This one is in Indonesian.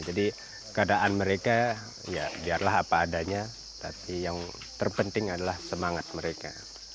jadi keadaan mereka biarlah apa adanya tapi yang terpenting adalah semangat mereka